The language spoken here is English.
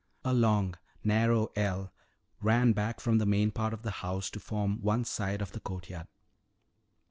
A long, narrow ell ran back from the main part of the house to form one side of the courtyard.